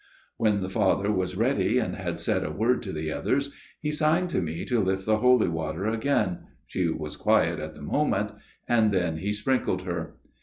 " When the Father was ready and had said a word to the others, he signed to me to lift the holy water again she was quiet at the moment and then he sprinkled her.